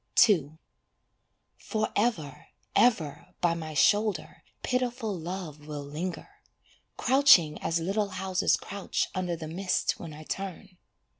II Forever, ever by my shoulder pitiful Love will linger, Crouching as little houses crouch under the mist when I turn.